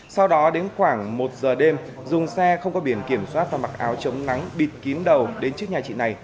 sau đó đến khoảng một giờ đêm dùng xe không có biển kiểm soát và mặc áo chống nắng bịt kín đầu đến trước nhà chị này